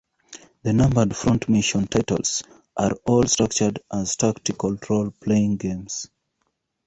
The numbered "Front Mission" titles are all structured as tactical role-playing games.